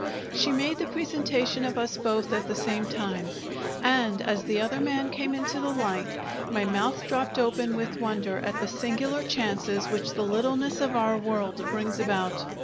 She made the presentation of us both at the same time, and as the other man came into the light, my mouth dropped open with wonder at the singular chances which the littleness of our world brings about.